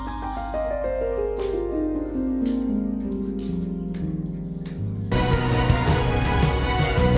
insec melayu selalu cepat hidup divelopkan untuk proto curly